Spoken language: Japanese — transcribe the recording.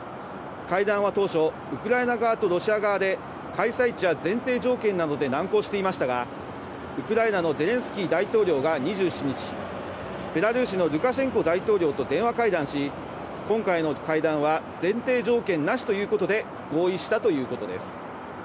会談は当初、ウクライナ側とロシア側で開催地や前提条件などで難航していましたが、ウクライナのゼレンスキー大統領が２７日、ベラルーシのルカシェンコ大統領と電話会談し、今回の会談は前提条件なしということで合意したということです。